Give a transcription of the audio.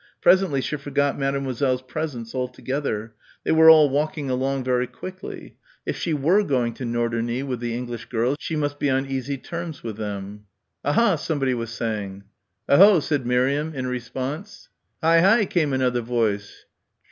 Presently she forgot Mademoiselle's presence altogether. They were all walking along very quickly.... If she were going to Norderney with the English girls she must be on easy terms with them. "Ah, ha!" somebody was saying. "Oh ho!" said Miriam in response. "Ih hi!" came another voice.